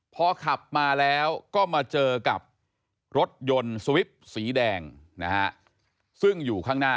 พอขับมาแล้วก็มาเจอกับรถยนต์สวิปสีแดงนะฮะซึ่งอยู่ข้างหน้า